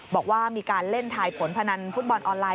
บอกว่ามีการเล่นทายผลพนันฟุตบอลออนไลน